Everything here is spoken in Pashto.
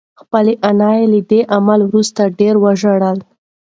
خپله انا له دې عمل وروسته ډېره وژړل.